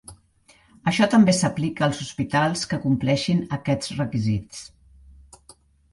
Això també s'aplica als hospitals que compleixin aquests requisits.